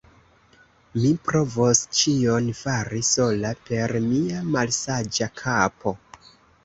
mi provos ĉion fari sola, per mia malsaĝa kapo!